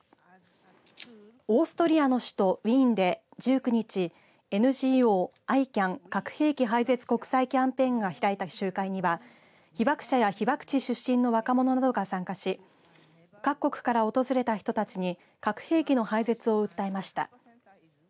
オーストリアの首都ウィーンで１９日、ＮＧＯＩＣＡＮ・核兵器廃絶国際キャンペーンが開いた集会には被爆者や被爆地出身の若者などが参加し各国から訪れた人たちに核兵器の廃絶を訴えました。